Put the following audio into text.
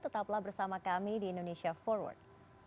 tetaplah bersama kami di indonesia forward